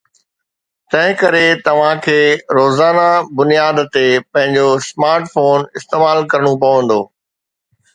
تنهن ڪري توهان کي روزانه بنياد تي پنهنجو سمارٽ فون استعمال ڪرڻو پوندو